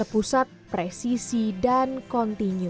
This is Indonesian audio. pusat presisi dan kontinu